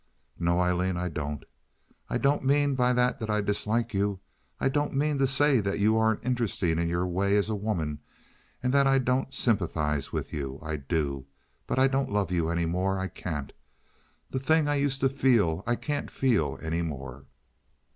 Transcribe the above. "No, Aileen, I don't. I don't mean by that that I dislike you. I don't mean to say that you aren't interesting in your way as a woman and that I don't sympathize with you. I do. But I don't love you any more. I can't. The thing I used to feel I can't feel any more."